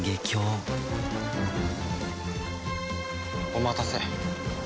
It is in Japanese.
お待たせ。